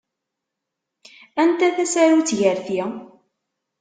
Anta tasarut gar ti?